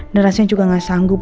dan rasanya juga gak sanggup